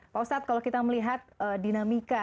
pak ustadz kalau kita melihat dinamika